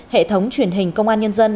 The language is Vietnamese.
hệ thống truyền hình công an nhân dân